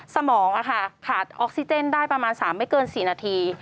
สมองขาดออกซิเจนได้ประมาณ๓ไม่เกิน๔นาที